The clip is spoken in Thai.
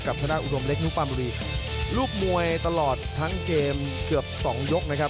ธนาอุดมเล็กนุฟาบุรีลูกมวยตลอดทั้งเกมเกือบสองยกนะครับ